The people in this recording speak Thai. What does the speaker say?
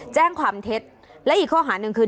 แจ้งความเท็จและอีกข้อหาหนึ่งคือ